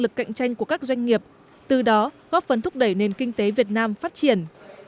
lực cạnh tranh của các doanh nghiệp từ đó góp phần thúc đẩy nền kinh tế việt nam phát triển